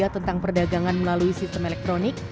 tentang perdagangan melalui sistem elektronik